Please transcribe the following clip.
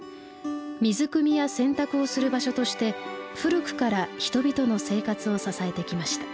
水くみや洗濯をする場所として古くから人々の生活を支えてきました。